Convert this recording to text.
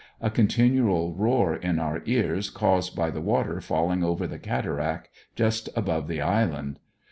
A continual roar in our ears caused by the water falling over the cataract just above the island.